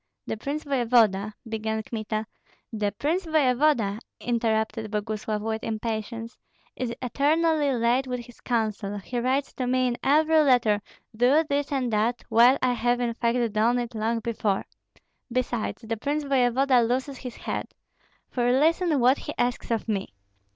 "The prince voevoda " began Kmita. "The prince voevoda," interrupted Boguslav, with impatience, "is eternally late with his counsel; he writes to me in every letter, 'Do this and do that,' while I have in fact done it long before. Besides, the prince voevoda loses his head. For listen what he asks of me."